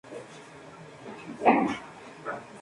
Modelismo ferroviario